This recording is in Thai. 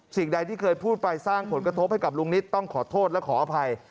สิ่งใดที่เคยพูดไปสร้างผลกระทบให้กับลุงนิตต้องขอโทษและขออภัย